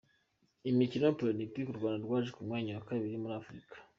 Imikino Paralempike uRwanda rwaje ku mwanya wa kabiri muri Afurika